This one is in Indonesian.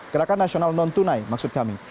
gerakan nasional non tunai maksud kami